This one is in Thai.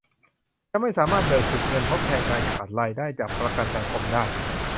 จะไม่สามารถเบิกสิทธิ์เงินทดแทนการขาดรายได้จากประกันสังคมได้